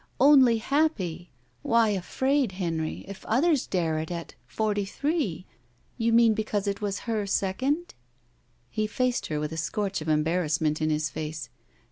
Only happy. Why afraid, Henry — ^if 192 GUILTY others dare it at — ^forty three — You mean because it was her second?" He faced her with a scorch of embarrassment in his face.